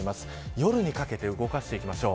夜にかけて動かしていきましょう。